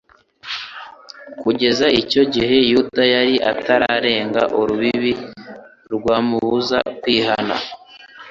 Kugeza icyo gihe Yuda yari atararenga urubibi rwamubuza kwihana.